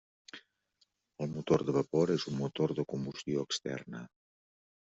El motor de vapor és un motor de combustió externa.